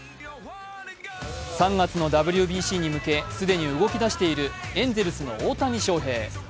３月のＷＢＣに向け、既に動き出しているエンゼルスの大谷翔平。